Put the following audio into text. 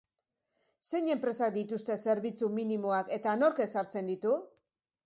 Zein enpresak dituzte zerbitzu minimoak eta nork ezartzen ditu?